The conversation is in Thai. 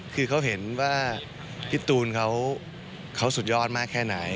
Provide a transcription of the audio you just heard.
คือเขาเห็นว่าพี่ตูนเขาสุดยอดมากแค่ไหน